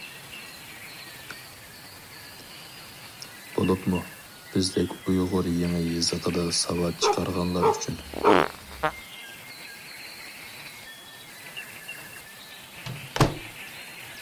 بولۇپمۇ بىزدەك ئۇيغۇر يېڭى يېزىقىدا ساۋات چىقارغانلار ئۈچۈن.